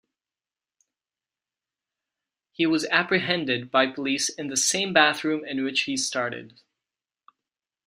He was apprehended by police in the same bathroom in which he started.